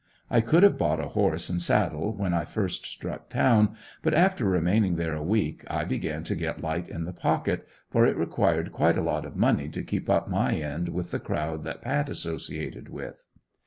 I could have bought a horse and saddle when I first struck town but after remaining there a week I began to get light in the pocket, for it required quite a lot of money to keep up my end with the crowd that Pat associated with.